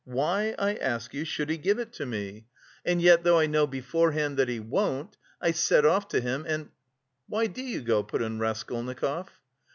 Why, I ask you, should he give it to me? And yet though I know beforehand that he won't, I set off to him and..." "Why do you go?" put in Raskolnikov.